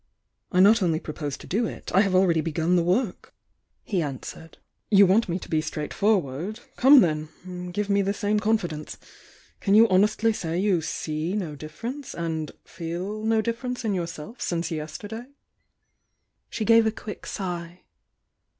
"I not only propose to do it— I have already be gun the work!" he answered. "You want me to be straightforward— come, then!— give me the same confidence ! Can you honestly say you see no differ ence and feel no difference in yourself since yester day?" She gave a quick sigh.